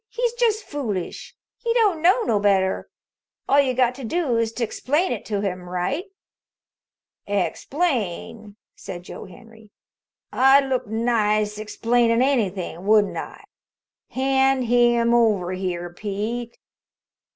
He's just foolish. He don't know no better. All you got to do is to explain it to him right." "Explain?" said Joe Henry. "I'd look nice explainin' anything, wouldn't I? Hand him over here, Pete."